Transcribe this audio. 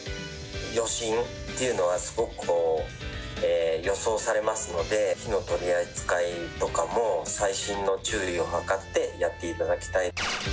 余震っていうのは、すごく予想されますので、火の取り扱いとかも細心の注意をはかって、やっていただきたい。